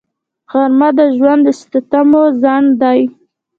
غرمه د ژوند د ستمو ځنډ دی